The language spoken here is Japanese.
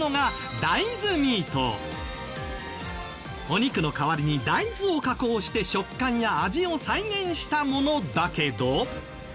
お肉の代わりに大豆を加工して食感や味を再現したものだけど。